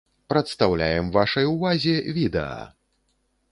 Прадстаўляем вашай ўвазе відэа!